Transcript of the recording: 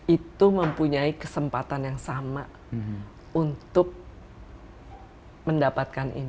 itu mempunyai kesempatan yang sama untuk mendapatkan ini